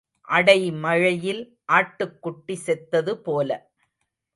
அடை மழையில் ஆட்டுக்குட்டி செத்தது போல.